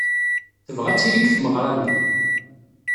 Tebɣa ad tili deg tmeɣra-nni.